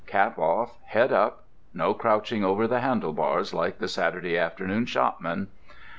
Cap off, head up—no crouching over the handle bars like the Saturday afternoon shopmen!